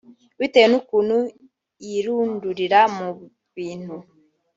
Bitewe n’ukuntu yirundurira mu bintu